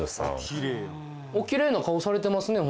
おきれいな顔されてますね